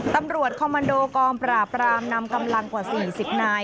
ตำรวจคอมมันโดกองปราบรามนำกำลังกว่า๔๐นาย